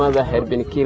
nó tên là mbeku